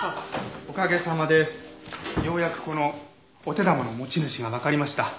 おかげさまでようやくこのお手玉の持ち主がわかりました。